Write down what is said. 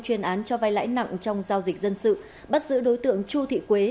chuyên án cho vai lãi nặng trong giao dịch dân sự bắt giữ đối tượng chu thị quế